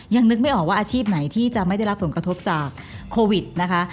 ยังนึกไม่ออกว่าอาชีพไหนที่จะไม่ได้รับผลกระทบจากโควิดนะคะ